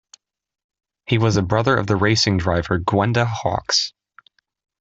He was a brother of the racing driver Gwenda Hawkes.